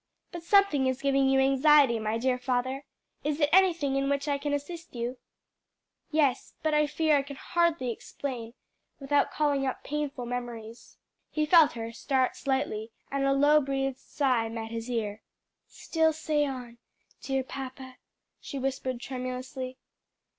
But something is giving you anxiety, my dear father. Is it anything in which I can assist you?" "Yes; but I fear I can hardly explain without calling up painful memories." He felt her start slightly, and a low breathed sigh met his ear. "Still say on, dear papa," she whispered tremulously.